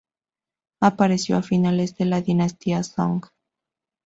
Apareció a finales de la dinastía Song.